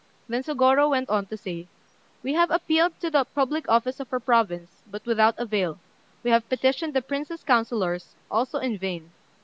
Then Sôgorô went on to say "We have appealed to the public office of our province, but without avail; we have petitioned the Prince's councillors, also in vain.